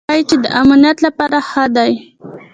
وايي چې د امنيت له پاره ښه دي.